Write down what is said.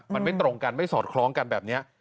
มันไม่ตรงกันไม่สอดคล้องกันแบบนี้